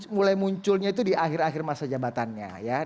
mulai munculnya itu di akhir akhir masa jabatannya